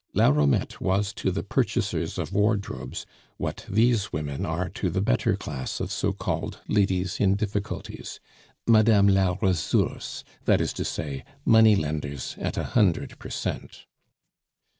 La Romette was to the "purchasers of wardrobes" what these women are to the better class of so called ladies in difficulties Madame la Ressource, that is to say, money lenders at a hundred per cent.